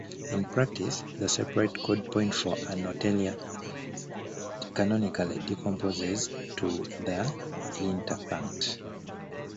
In practice, the separate code point for ano teleia canonically decomposes to the interpunct.